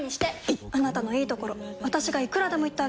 いっあなたのいいところ私がいくらでも言ってあげる！